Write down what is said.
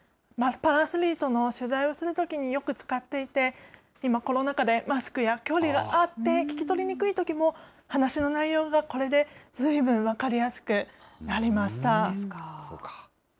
パラアスリートの取材をするときによく使っていて、今、コロナ禍でマスクや距離があって、聞き取りにくいときも、話の内容がこれでずいぶん分かりやすくなりました。